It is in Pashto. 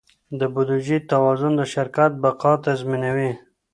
د بودیجې توازن د شرکت بقا تضمینوي.